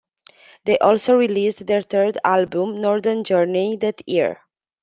They also released their third album, "Northern Journey", that year.